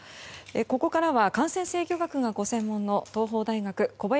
ここからは感染制御学がご専門の東邦大学小林寅